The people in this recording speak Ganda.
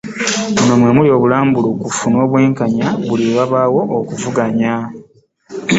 Muno mwe muli obwenkanya n'obulambulukufu buli lwe wabaawo okuvuganya.